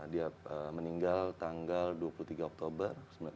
dia meninggal tanggal dua puluh tiga oktober dua ribu lima belas